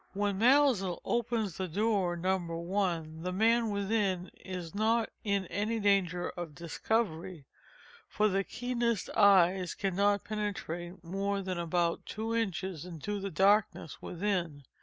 When Maelzel opens the door No. I, the man within is not in any danger of discovery, for the keenest eye cannot penetrate more than about two inches into the darkness within.